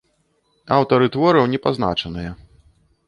Аўтары твораў не пазначаныя.